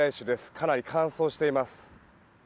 かなり乾燥しています。